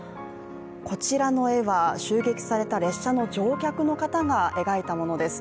こちらの絵は襲撃された列車の乗客の方が描いたものです。